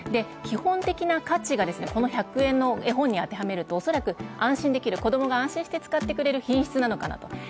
基本的な価値が１００円の絵本に当てはめると恐らく、安心できる子供が安心して使ってくれる品質なのかなと。